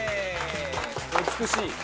美しい。